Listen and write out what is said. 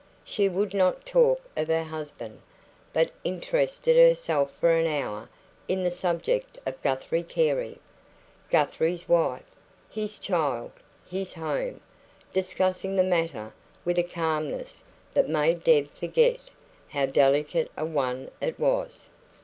She would not talk of her husband, but interested herself for an hour in the subject of Guthrie Carey, Guthrie's wife, his child, his home, discussing the matter with a calmness that made Deb forget how delicate a one it was.